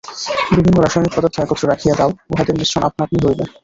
বিভিন্ন রাসায়নিক পদার্থ একত্র রাখিয়া দাও, উহাদের মিশ্রণ আপনা-আপনিই হইবে।